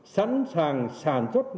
sẵn sàng sản xuất